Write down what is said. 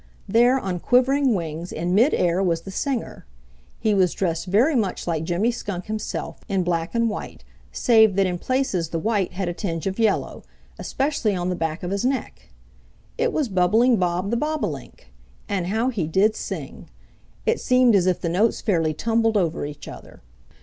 There on quivering wings in mid air was the singer. He was dressed very much like Jimmy Skunk himself, in black and white, save that in places the white had a tinge of yellow, especially on the back of his neck. It was Bubbling Bob the Bobolink. And how he did sing! It seemed as if the notes fairly tumbled over each other.